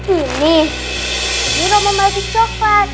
ini ini nomor maluk coklat